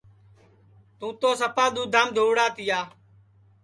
تُوں تو سپا دؔدھام دھؤڑا تِیا